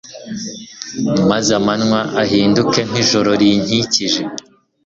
maze amanywa ahinduke nk’ijoro rinkikije